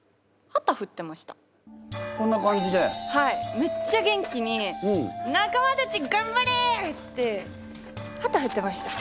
めっちゃ元気に仲間たち頑張れ！って旗振ってました。